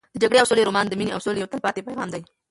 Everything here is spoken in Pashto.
د جګړې او سولې رومان د مینې او سولې یو تلپاتې پیغام دی.